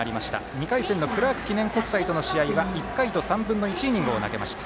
２回戦のクラーク記念国際との試合は１回と３分の１イニングを投げました。